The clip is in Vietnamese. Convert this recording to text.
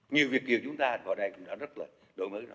nhiều việc điều chúng ta vào đây cũng đã rất là đổi mới rồi